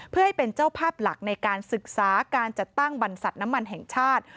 เพื่อให้เป็นเจ้าภาพหลักในการศึกษาการจัดตั้งบรรษัทน้ำมันแห่งชาติ